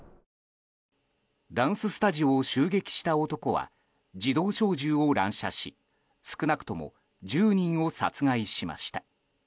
ダンススタジオを襲撃した男は自動小銃を乱射し少なくとも１０人を殺害しました。